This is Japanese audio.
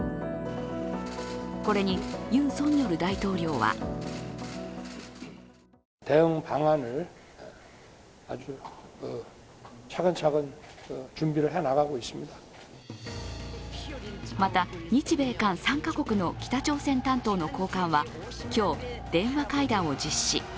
これにユン・ソンニョル大統領はまた、日米韓３か国の北朝鮮担当の高官は今日、電話会談を実施。